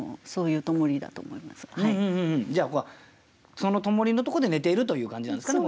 じゃあその灯りのところで寝ているという感じなんですかね